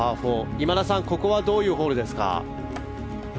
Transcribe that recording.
今田さん、ここはどういうホールですか？